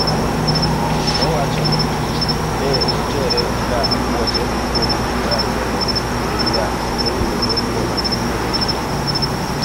Owacho ne otero ga apuoche kuom laktar mondo omigi yath mowinjore kod thietho gi.